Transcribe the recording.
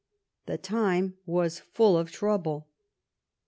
The time was full of trouble.